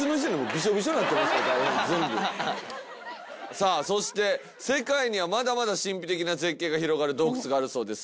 さあそして世界にはまだまだ神秘的な絶景が広がる洞窟があるそうです。